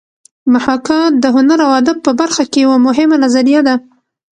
محاکات د هنر او ادب په برخه کې یوه مهمه نظریه ده